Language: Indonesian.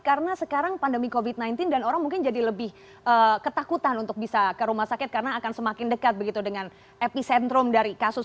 karena sekarang pandemi covid sembilan belas dan orang mungkin jadi lebih ketakutan untuk bisa ke rumah sakit karena akan semakin dekat begitu dengan epicentrum dari kasus